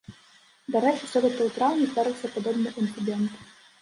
Дарэчы, сёлета ў траўні здарыўся падобны інцыдэнт.